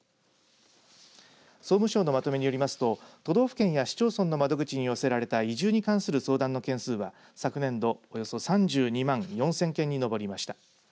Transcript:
総務省のまとめによりますと都道府県や市町村の窓口に寄せられた移住に関する相談の件数は昨年度およそ３２万４０００件に上りました。